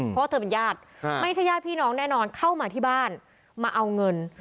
เพราะว่าเธอเป็นญาติไม่ใช่ญาติพี่น้องแน่นอนเข้ามาที่บ้านมาเอาเงิน